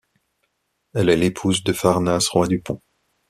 Elle est l'épouse de Pharnace roi du Pont.